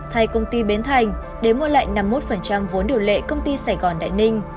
thay công ty bến thành để mua lại năm mươi một vốn điều lệ công ty sài gòn đại ninh